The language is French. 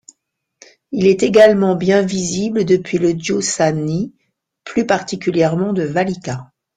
Il est également bien visible depuis le Giussani, plus particulièrement de Vallica.